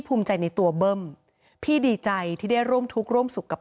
ภูมิใจในตัวเบิ้มพี่ดีใจที่ได้ร่วมทุกข์ร่วมสุขกับ